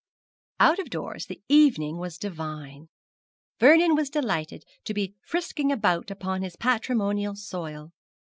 Out of doors the evening was divine. Vernon was delighted to be frisking about upon his patrimonial soil.